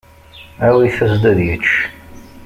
Awit-as-d ad yečč.